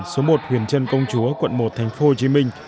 số một huyền trân công chúa quận một tp hcm